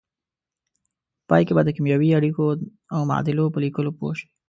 په پای کې به د کیمیاوي اړیکو او معادلو په لیکلو پوه شئ.